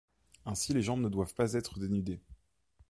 Ainsi les jambes ne doivent pas être dénudées.